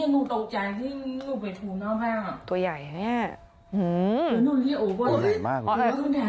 หนูตกใจที่หนูไปถูงหน้าแบบ